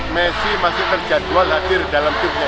messi masih terjadwal hadir dalam timnya